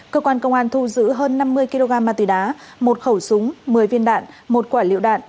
cơ quan công an thu giữ hơn năm mươi kg ma túy đá một khẩu súng một mươi viên đạn một quả liệu đạn